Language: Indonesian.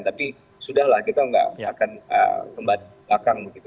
tapi sudah lah kita tidak akan kembat bakang